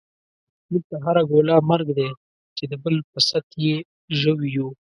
موږ ته هره ګوله مرګ دی، چی دبل په ست یی ژوویو